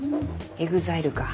ＥＸＩＬＥか。